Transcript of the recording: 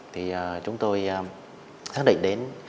thì chúng tôi xác định đến